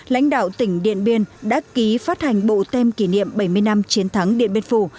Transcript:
lãnh đạo tỉnh điện biên đã ký phát hành bộ tem kỷ niệm bảy mươi năm chiến thắng điện biên phủ